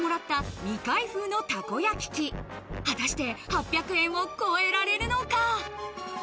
果たして８００円を超えられるのか？